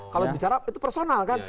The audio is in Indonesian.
kalau bicara itu personal kan